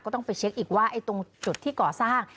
ต้องไปเช็คอีกว่าตรงจุดที่ก่อสร้าง